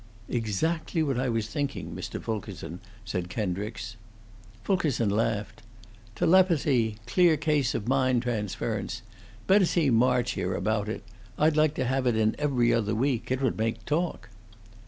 "Exactly what I was thinking, Mr. Fulkerson," said Kendricks. Fulkerson laughed. "Telepathy clear case of mind transference. Better see March, here, about it. I'd like to have it in 'Every Other Week.' It would make talk."